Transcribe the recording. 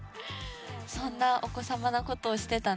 そんなお子様なことをしてたね。